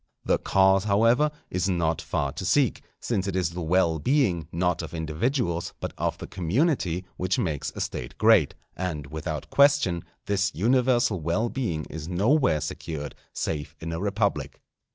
The cause, however, is not far to seek, since it is the well being, not of individuals, but of the community which makes a State great; and, without question, this universal well being is nowhere secured save in a republic.